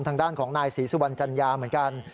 ทางด้านของนายศรีสุวรรณจัญญาเหมือนกัน